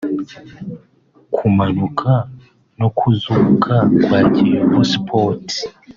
Kumanuka no kuzuka kwa Kiyovu Sports